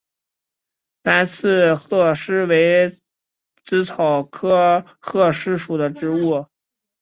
蓝刺鹤虱为紫草科鹤虱属的植物。